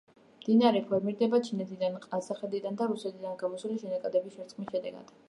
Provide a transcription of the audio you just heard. მდინარე ფორმირდება ჩინეთიდან, ყაზახეთიდან, და რუსეთიდან გამოსული შენაკადების შერწყმის შედეგად.